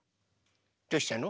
どうしたの？